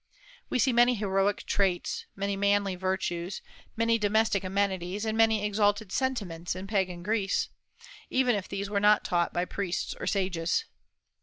We see many heroic traits, many manly virtues, many domestic amenities, and many exalted sentiments in pagan Greece, even if these were not taught by priests or sages.